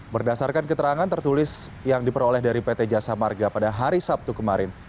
berdasarkan keterangan tertulis yang diperoleh dari pt jasa marga pada hari sabtu kemarin